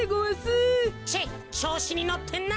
チェッちょうしにのってんなあ。